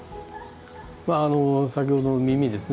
先ほどの耳ですね。